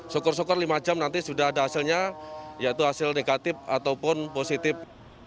syukur syukur lima jam nanti sudah ada hasilnya yaitu hasil negatif ataupun positif